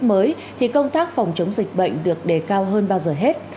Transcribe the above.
trong những lúc mới thì công tác phòng chống dịch bệnh được đề cao hơn bao giờ hết